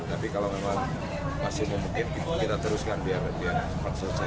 tapi kalau memang masih memetip kita teruskan biar cepat selesai